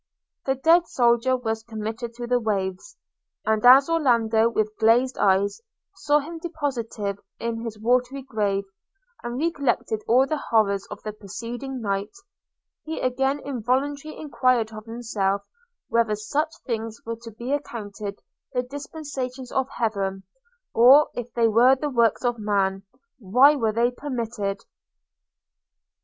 The dead soldier was committed to the waves; and as Orlando, with glazed eyes, saw him deposited in his watery grave, and recollected all the horrors of the preceding night, he again involuntarily enquired of himself, whether such things were to be accounted the dispensations of Heaven – or, if they were the works of man, why they were permitted?